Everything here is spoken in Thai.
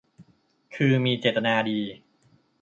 คือมีเจตนาดี